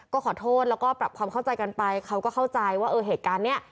ก็ขอโทษแล้วก็ปรับความเข้าใจกันไปเขาก็เข้าใจว่าเออเหตุการณ์เนี่ย